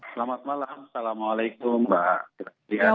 selamat malam assalamualaikum pak